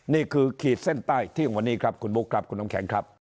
ขีดเส้นใต้เที่ยงวันนี้ครับคุณบุ๊คครับคุณน้ำแข็งครับ